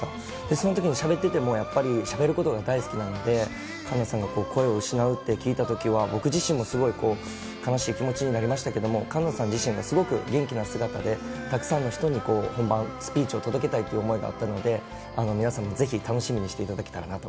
そのときにしゃべってても、やっぱり、しゃべることが大好きなので、栞奈さんが声を失うって聞いたときは、僕自身もすごい悲しい気持ちになりましたけれども、栞奈さん自身がすごく元気な姿で、たくさんの人に本番、スピーチを届けたいという思いがあったので、皆さんもぜひ楽しみにしていただ